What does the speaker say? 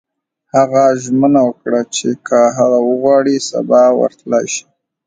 هغه ژمنه وکړه چې که هغه وغواړي سبا ورتلای شي